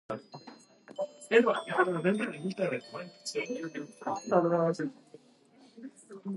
The railroad company removed its tracks later that decade.